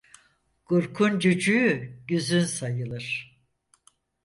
Gurkun cücüğü güzün sayılır.